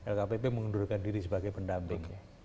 lkpp mengundurkan diri sebagai pendamping